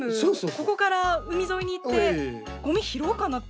ここから海沿いに行ってごみ拾おうかなって。